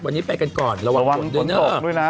วันนี้ไปกันก่อนระวังโดนออกด้วยนะ